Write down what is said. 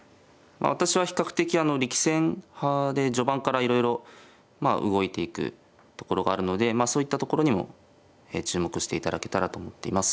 私は比較的力戦派で序盤からいろいろ動いていくところがあるのでそういったところにも注目して頂けたらと思っています。